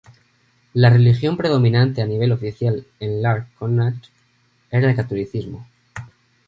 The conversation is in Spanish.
La religión predominante a nivel oficial en Iar Connacht era el catolicismo.